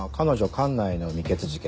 管内の未決事件